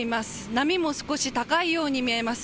波も少し高いように見えます。